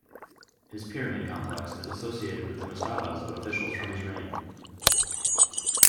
His pyramid complex is associated with the mastabas of officials from his reign.